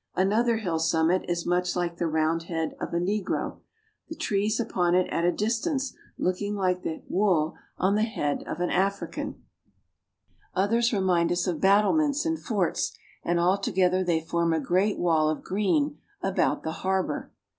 Another hill summit is much like the round head of a negro, the trees upon it at a distance looking like the wool on the head of CARP. S. AM. — 17 26S BRAZIL. an African. Others remind us of battlements and forts, and all together they form a great wall of green about the harbor.